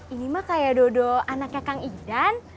ini mah kayak dodo anaknya kang igdan